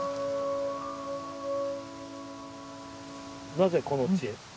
なぜこの地へ？